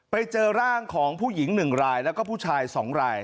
ไปเจอร่างของผู้หญิง๑รายแล้วก็ผู้ชาย๒ราย